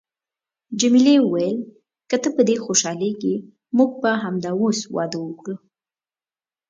جميلې وويل: که ته په دې خوشحالیږې، موږ به همدا اوس واده وکړو.